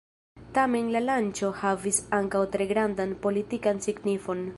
Tamen la lanĉo havis ankaŭ tre grandan politikan signifon.